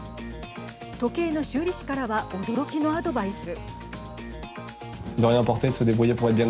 時計の修理師からは驚きのアドバイス。